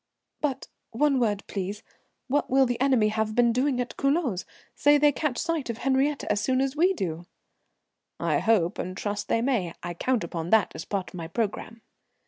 "But one word, please. What will the enemy have been doing at Culoz? Say they catch sight of Henriette as soon as we do?" "I hope and trust they may. I count upon that as part of my programme."